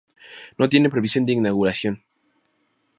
No tiene previsión de inauguración.